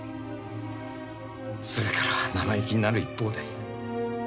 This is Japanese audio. それからは生意気になる一方で。